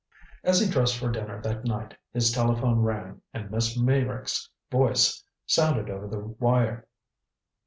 As he dressed for dinner that night his telephone rang, and Miss Meyrick's voice sounded over the wire.